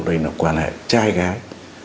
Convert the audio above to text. đây là quan hệ trai gái